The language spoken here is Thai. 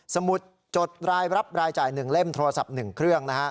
สมุดจดรายรับรายจ่าย๑เล่มโทรศัพท์๑เครื่อง